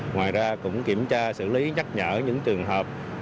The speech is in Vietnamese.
ngoài ra cũng kiểm tra xử lý nhắc nhở những trường hợp